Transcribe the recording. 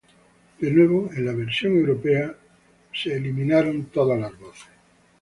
De nuevo, en la versión europea fueron eliminadas todas las voces.